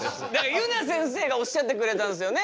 ゆなせんせいがおっしゃってくれたんですよね。